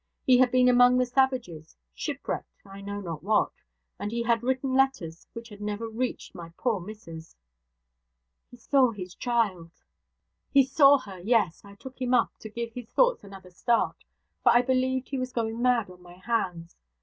He had been among the savages shipwrecked I know not what and he had written letters which had never reached my poor missus.' 'He saw his child!' 'He saw her yes! I took him up, to give his thoughts another start; for I believed he was going mad on my hands.